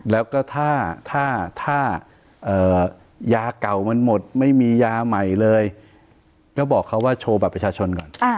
แล้วก็ถ้ายาเก่ามันหมดไม่มียาใหม่เลยก็บอกเขาว่าโชว์บัตรประชาชนก่อน